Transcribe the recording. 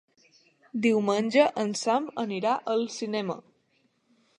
Diumenge en Sam anirà al cinema.